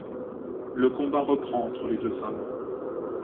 Le combat reprend entre les deux femmes.